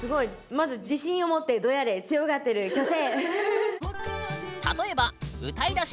まず「自信を持ってドヤれ強がってる虚勢！！」。